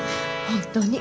本当に。